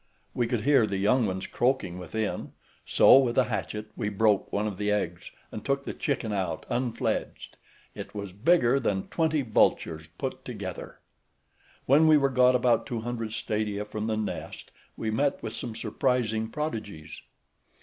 We could hear the young ones croaking within; so, with a hatchet we broke one of the eggs, and took the chicken out unfledged; it was bigger than twenty vultures put together. When we were got about two hundred stadia from the nest, we met with some surprising prodigies.